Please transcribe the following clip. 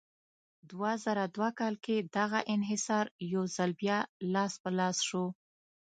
دوه زره دوه کال کې دغه انحصار یو ځل بیا لاس په لاس شو.